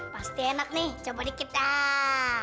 pasti enak nih coba dikit ah